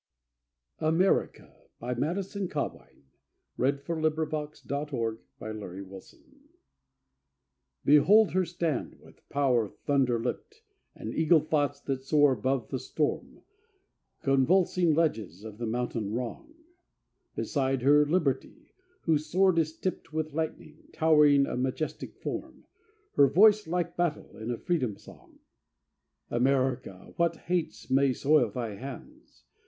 oung, unworthy word To thee the Master's hand hath christened AMERICA Behold her stand, with power thunder lipped, And eagle thoughts that soar above the storm Convulsing ledges of the mountain Wrong! Beside her Liberty, whose sword is tipped With lightning, towering a majestic form, Her voice like battle in a freedom song. America, what hates may soil thy hands?